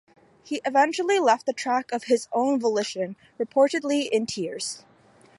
He eventually left the track of his own volition, reportedly in tears.